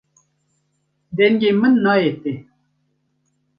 Dengê min nayê te.